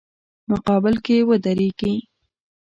مقابل کې ودریږي.